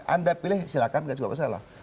anda pilih silahkan tidak ada masalah